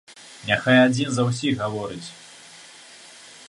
Няхай адзін за ўсіх гаворыць!